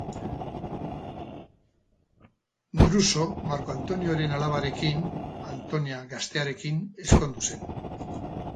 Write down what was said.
Druso Marko Antonioren alabarekin, Antonia Gaztearekin, ezkondu zen.